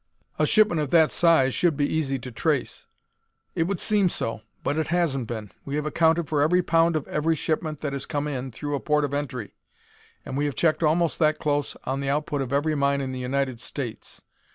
"A shipment of that size should be easy to trace." "It would seem so, but it hasn't been. We have accounted for every pound of every shipment that has come in through a port of entry, and we have checked almost that close on the output of every mine in the United States.